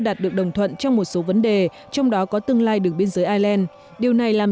đạt được đồng thuận trong một số vấn đề trong đó có tương lai đường biên giới ireland điều này làm